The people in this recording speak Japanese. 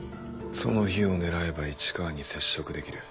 その日を狙えば市川に接触できる。